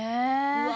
うわ！